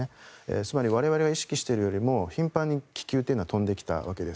つまり我々が意識しているよりも頻繁に気球というのは飛んできたわけです。